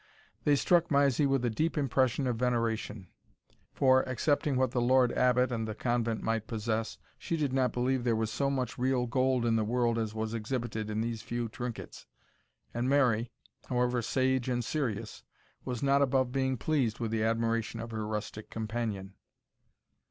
They struck Mysie with a deep impression of veneration; for, excepting what the Lord Abbot and the convent might possess, she did not believe there was so much real gold in the world as was exhibited in these few trinkets, and Mary, however sage and serious, was not above being pleased with the admiration of her rustic companion.